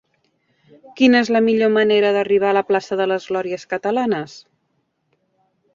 Quina és la millor manera d'arribar a la plaça de les Glòries Catalanes?